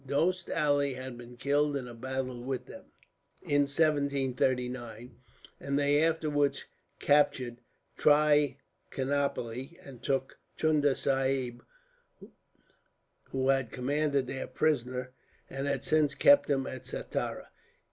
Dost Ali had been killed in a battle with them, in 1739; and they afterwards captured Trichinopoli, and took Chunda Sahib, who commanded there, prisoner; and had since kept him at Satarah.